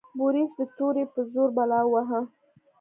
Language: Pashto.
بوریس د تورې په زور بلا وواهه.